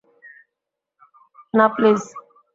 না, প্লিজ।